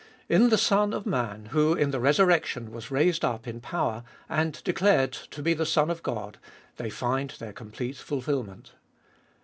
In the Son of Man, who in the resurrection was raised up in power, and declared to be the Son of God, they find their complete fulfilment.